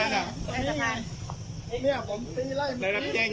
สวัสดีครับคุณแฟม